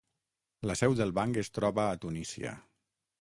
La seu del banc es troba a Tunísia.